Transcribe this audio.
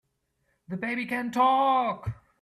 The baby can TALK!